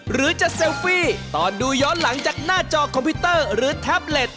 หรือจะเซลฟี่ตอนดูย้อนหลังจากหน้าจอคอมพิวเตอร์หรือแท็บเล็ต